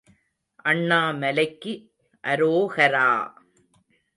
அண்ணாமலைக்கு அரோ ஹரா!